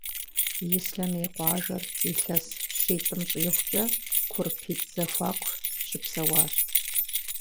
Ислъэмей къуажэр илъэс щитӏым щӏигъукӏэ Курпитӏ зэхуаку щыпсэуащ.